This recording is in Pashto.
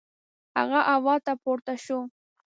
هغه هوا ته پورته شو.